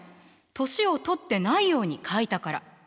年を取ってないように描いたから。